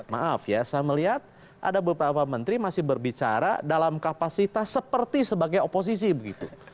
maaf ya saya melihat ada beberapa menteri masih berbicara dalam kapasitas seperti sebagai oposisi begitu